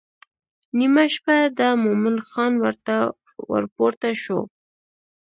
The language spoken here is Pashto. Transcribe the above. نیمه شپه ده مومن خان ورته ورپورته شو.